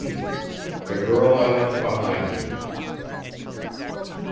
THE GIRL I LEFT BEHIND ME.